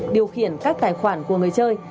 điều khiển các tài khoản của người chơi